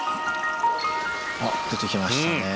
あっ出てきましたね。